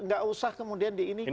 gak usah kemudian diinikan